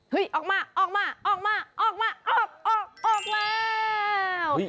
ออกมาออกมาออกมาออกมาออกออกแล้ว